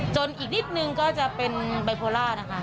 อีกนิดนึงก็จะเป็นไบโพล่านะคะ